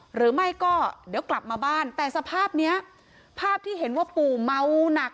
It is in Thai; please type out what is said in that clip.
หรือไม่ก็เดี๋ยวกลับมาบ้านแต่สภาพเนี้ยภาพที่เห็นว่าปู่เมาหนัก